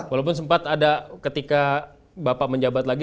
walaupun sempat ada ketika bapak menjabat lagi